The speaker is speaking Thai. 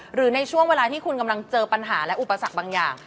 หรือในช่วงเวลาที่คุณกำลังเจอปัญหาและอุปสรรคบางอย่าง